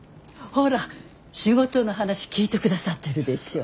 ほら仕事の話聞いてくださってるでしょ。